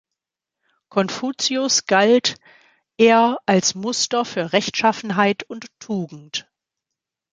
Konfuzius galt er als Muster für Rechtschaffenheit und Tugend.